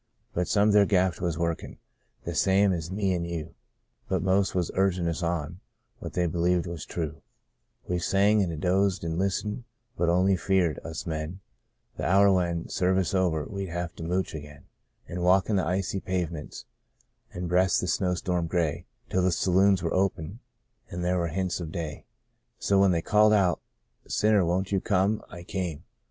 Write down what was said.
But some their graft was workin', the same as me an' you. But most was urgin' on us what they believed was true, The Greatest of These 25 We sang an' dozed an' listened, but only feared — us men — The hour when, service over, we'd have to mooch again An' walk the icy pavements, an' breast the snow storm gray Till the saloons were opened, an' there was hints of day; So, when they called out, * Sinner, won't you come?' I came.